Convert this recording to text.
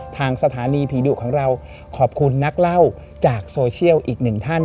สถานีผีดุของเราขอบคุณนักเล่าจากโซเชียลอีกหนึ่งท่าน